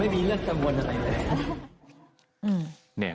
ไม่มีเรื่องจะม้วนอะไรหรอก